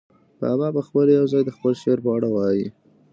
بابا پخپله یو ځای د خپل شعر په اړه وايي.